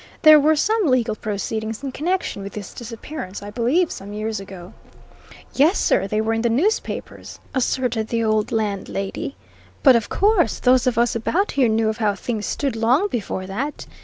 "There were some legal proceedings in connection with this disappearance, I believe, some years ago." "Yes, sir they were in the newspapers," asserted the old landlady. "But of course, those of us about here knew of how things stood long before that.